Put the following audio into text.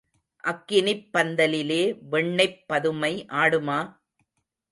அக்கினிப் பந்தலிலே வெண்ணெய்ப் பதுமை ஆடுமா?